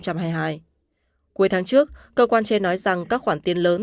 cuối tháng trước cơ quan trên nói rằng các khoản tiền lớn